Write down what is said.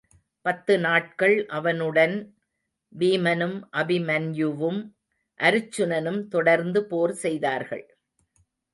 பத்து நாட்கள் அவனுட ன் வீமனும், அபிமன்யுவும் அருச்சுனனும் தொடர்ந்து போர் செய்தார்கள்.